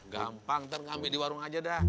gampang ntar ngambil di warung aja dah